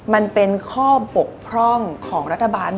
มันเป็นข้อบกพร่องของรัฐบาล